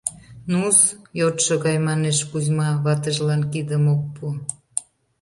— Ну-с? — йодшо гай манеш Кузьма, ватыжлан кидым ок пу.